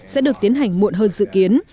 sẽ được tiến hành muộn hơn dự kiến